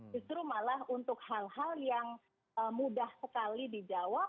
justru malah untuk hal hal yang mudah sekali dijawab